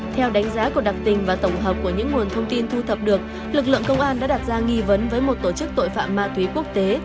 theo đánh giá của đặc tình và tổng hợp của những nguồn thông tin thu thập được lực lượng công an đã đặt ra nghi vấn với một tổ chức tội phạm ma túy quốc tế